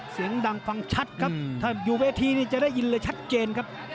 เสียงดังฟังชัดครับถ้าอยู่เวทีนี่จะได้ยินเลยชัดเจนครับ